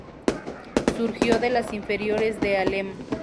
Surgió de las inferiores de Alem.